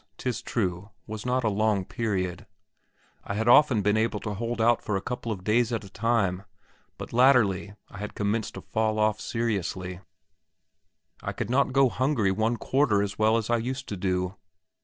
This, 'tis true, was not a long period; I had often been able to hold out for a couple of days at a time, but latterly I had commenced to fall off seriously; I could not go hungry one quarter as well as I used to do.